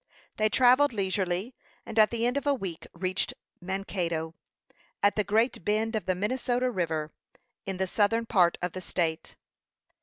They travelled leisurely, and at the end of a week reached Mankato, at the great bend of the Minnesota River, in the southern part of the state.